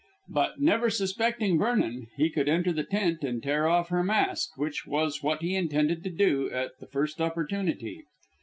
But, never suspecting Vernon, he could enter the tent and tear off her mask, which was what he intended to do at the first opportunity.